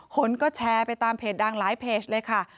คนก็แชร์ไปตามเพจดังหลายเพจเลยค่ะ